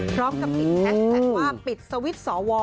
พร้อมกับติดแฮชแท็กว่าปิดสวิตช์สว